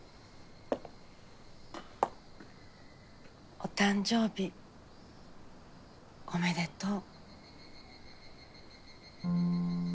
お誕生日おめでとう。